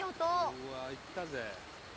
・うわーいったぜ。